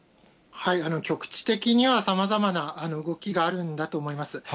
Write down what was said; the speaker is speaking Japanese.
局地的にはさまざまな動きがあるんだと思います。